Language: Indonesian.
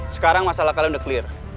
sekarang masalah kalian udah clear